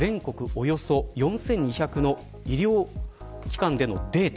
およそ４２００の医療機関でのデータ